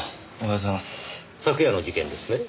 昨夜の事件ですね？